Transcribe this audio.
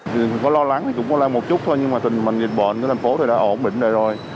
thì có lo lắng thì cũng có lo một chút thôi nhưng mà tình mình bị bệnh cái thành phố thì đã ổn định rồi